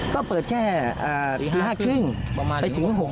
ก็เปิดแค่ปี๕ครึ่งไปถึง๖โมง